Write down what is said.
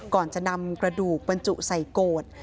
ก่อนจะนำกระดูกบรรจุใส่โกรธ